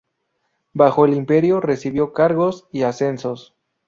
Bajo el imperio recibió cargos y ascensos.